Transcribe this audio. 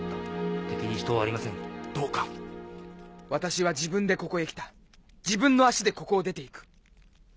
私は自分でここへ来た自分の足でここを出ていく。